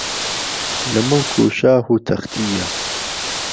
لە مڵک و شاە و تەختییە